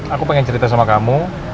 aku pengen cerita sama kamu